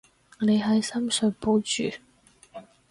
你喺深水埗住？